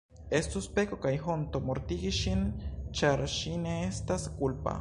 Estus peko kaj honto mortigi ŝin, ĉar ŝi ne estas kulpa.